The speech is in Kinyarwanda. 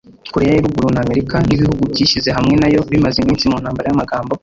Koreya ya Ruguru na Amerika n’ibihugu byishyize hamwe na yo bimaze iminsi mu ntambara y’amagambo